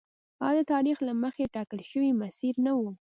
دا د تاریخ له مخکې ټاکل شوی مسیر نه و.